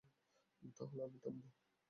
তাহলে আমি থামব।